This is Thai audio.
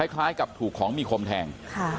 คล้ายกับถูกของมีคมแทง